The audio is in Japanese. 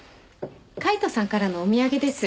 カイトさんからのお土産です。